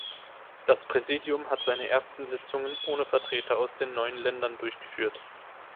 Das Präsidium hat seine ersten Sitzungen ohne Vertreter aus den neuen Ländern durchgeführt.